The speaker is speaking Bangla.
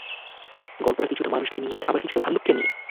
গল্পটা কিছুটা মানুষকে নিয়ে, আবার কিছুটা ভালুককে নিয়ে।